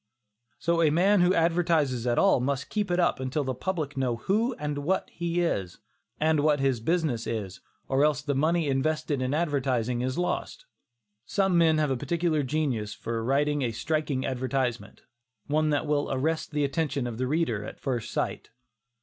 So a man who advertises at all must keep it up until the public know who and what he is, and what his business is, or else the money invested in advertising is lost. Some men have a peculiar genius for writing a striking advertisement, one that will arrest the attention of the reader at first sight.